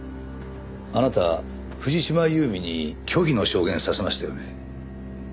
あなた藤島夕美に虚偽の証言させましたよね？